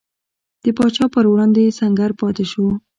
د پاچا پر وړاندې سنګر پاتې شو.